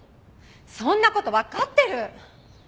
そんな事わかってる！